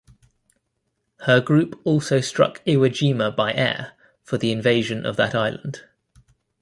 Her group also struck Iwo Jima by air for the invasion of that island.